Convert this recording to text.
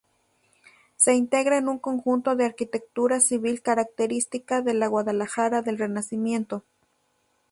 Se integra en un conjunto de arquitectura civil característica de la Guadalajara del Renacimiento.